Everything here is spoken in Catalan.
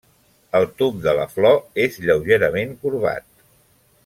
El tub de la flor és lleugerament corbat.